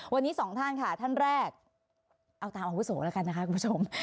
วันนี้สองท่านค่ะท่านแรกเอาตามอาวุโสแล้วกันนะคะคุณผู้ชม